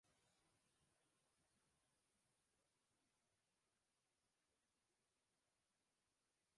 La carrera de Rhys Davids terminó de forma abrupta.